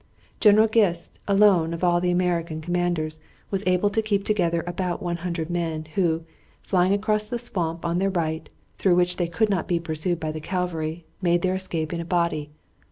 General Gist, alone of all the American commanders, was able to keep together about 100 men, who, flying across the swamp on their right, through which they could not be pursued by the cavalry, made their escape in a body.